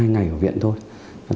hai ngày ở viện thôi